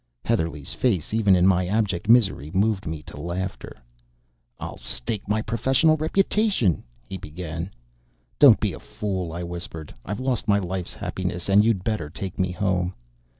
Heatherlegh's face, even in my abject misery, moved me to laughter. "I'll stake my professional reputation" he began. "Don't be a fool," I whispered. "I've lost my life's happiness and you'd better take me home."